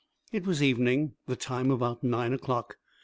It was evening, the time about nine o'clock.